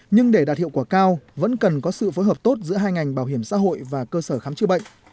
nhưng để đạt hiệu quả cao vẫn cần có sự phối hợp tốt giữa hai ngành bảo hiểm xã hội và cơ sở khám chữa bệnh